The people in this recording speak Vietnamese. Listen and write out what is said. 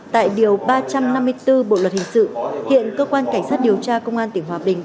tại điều ba trăm năm mươi bốn bộ luật hình sự hiện cơ quan cảnh sát điều tra công an tỉnh hòa bình